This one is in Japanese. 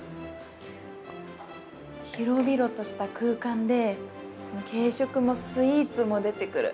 広々とした空間で軽食もスイーツも出てくる。